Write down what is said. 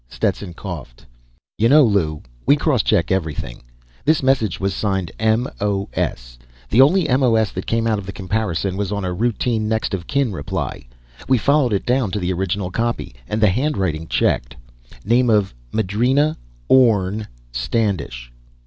Stetson coughed. "You know, Lew, we cross check everything. This message was signed M.O.S. The only M.O.S. that came out of the comparison was on a routine next of kin reply. We followed it down to the original copy, and the handwriting checked. Name of Madrena Orne Standish."